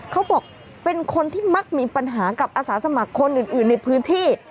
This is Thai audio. เขาบอกเป็นคนที่มักมีปัญหากับอาสาสมัครคนอื่นในพื้นที่